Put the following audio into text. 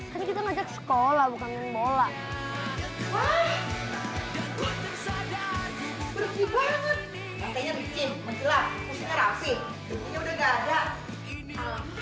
baru lupa kasihens langsung multhree